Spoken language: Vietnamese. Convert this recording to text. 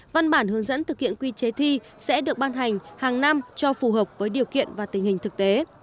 văn bản hướng dẫn thực hiện quy chế thi sẽ được ban hành hàng năm cho phù hợp với điều kiện và tình hình thực tế